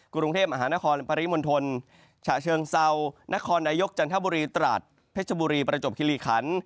กรุงเทพมหานครปริมณฑลฉะเชิงเซานครนายกจันทบุรีตราดเพชรบุรีประจบคิริขัน